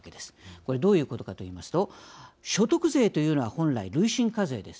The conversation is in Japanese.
これ、どういうことかといいますと所得税というのは本来、累進課税です。